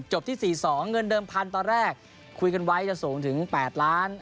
ที่๔๒เงินเดิมพันตอนแรกคุยกันไว้จะสูงถึง๘ล้าน